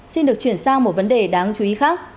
xin được chuyển sang một vấn đề đáng chú ý khác